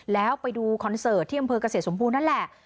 แล้วไปดูคอนเสิร์ตที่อำเภอกเกษตรสมบูรณ์นั่นแหละ